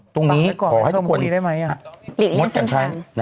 ตรงนี้ขอให้ทุกคน